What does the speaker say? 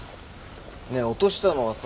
ねえ落としたのはさ